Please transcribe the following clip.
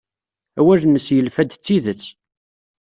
Awal-nnes yelfa-d d tidet.